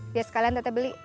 biar sekalian teteh beli